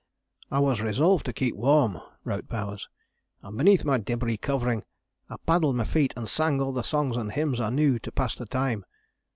"I was resolved to keep warm," wrote Bowers, "and beneath my debris covering I paddled my feet and sang all the songs and hymns I knew to pass the time.